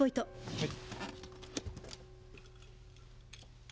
はい。